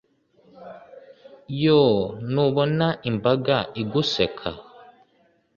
yoo! ntubona imbaga iguseka